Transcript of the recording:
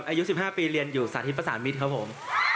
อายุ๑๕ปีเรียนอยู่สาธิตประสานมิตรครับผม